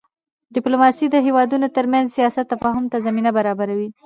ډیپلوماسي د هېوادونو ترمنځ د سیاست تفاهم ته زمینه برابروي.